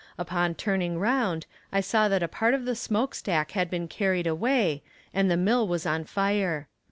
Upon turning round I saw that a part of the smoke stack had been carried away, and the mill was on fire.